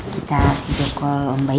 kita video call ombaik ya